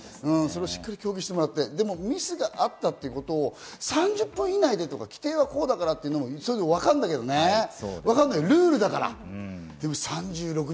しっかり協議してもらってミスがあったということを３０分以内でとか、規定はこうだからっていうのはわかるんだけどね、ルールだから。